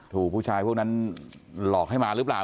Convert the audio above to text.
ถูกผู้ชายพวกนั้นหลอกให้มาหรือเปล่า